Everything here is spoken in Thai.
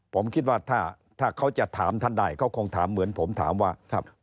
ผมคิดว่าถ้าเขาจะถามท่านได้เขาคงถามเหมือนผมถามว่า